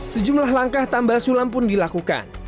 sejumlah langkah tambal sulam pun dilakukan